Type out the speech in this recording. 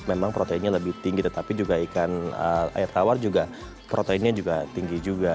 memang proteinnya lebih tinggi tetapi juga ikan air tawar juga proteinnya juga tinggi juga